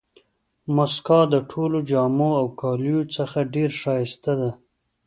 مسکا د ټولو جامو او کالیو څخه ډېره ښایسته ده.